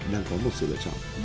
đang có một sự lựa chọn